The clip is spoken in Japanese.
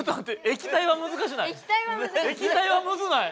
液体はむずない？